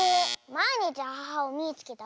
「まいにちアハハをみいつけた！」